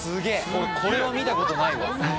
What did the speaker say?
俺これは見たことないわ。